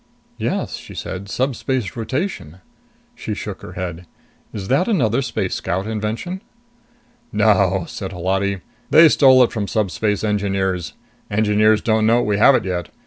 "Yes," she said. "Subspace rotation." She shook her head. "Is that another Space Scout invention?" "No," said Holati. "They stole it from Subspace Engineers. Engineers don't know we have it yet.